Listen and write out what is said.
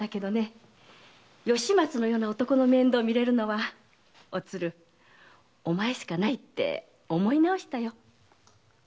吉松のような男の面倒をみられるのはおつるお前しかないって思い直したよ。